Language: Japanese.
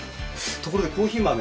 ところでコーヒー豆は？